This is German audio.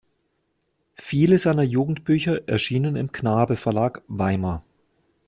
Viele seiner Jugendbücher erschienen im Knabe Verlag Weimar.